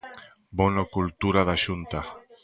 Bono Cultura da Xunta.